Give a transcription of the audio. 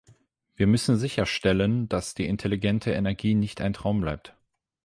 Wir müssen sicherstellen, dass die intelligente Energie nicht ein Traum bleibt.